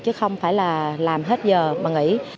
chứ không phải là làm hết giờ mà nghỉ